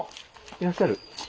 いらっしゃる。